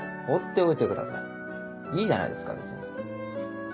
放っておいてくださいいいじゃないですか別に。